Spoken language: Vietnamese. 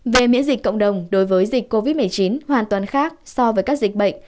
về miễn dịch cộng đồng đối với dịch covid một mươi chín hoàn toàn khác so với các dịch bệnh